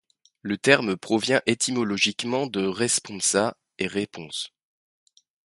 Le terme provient étymologiquement de responsa et répons.